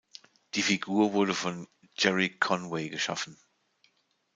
Die Figur wurde von "Gerry Conway" geschaffen.